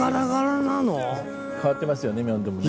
変わってますよね明洞もね。